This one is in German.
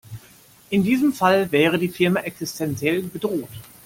In diesem Fall wäre die Firma existenziell bedroht.